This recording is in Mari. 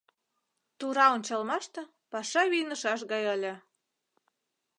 Тура ончалмаште, паша вийнышаш гай ыле.